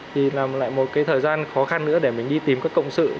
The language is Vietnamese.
thì là lại một cái thời gian khó khăn nữa để mình đi tìm các cộng sự